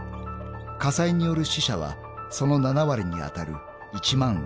［火災による死者はその７割に当たる１万６，０００人］